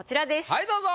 はいどうぞ。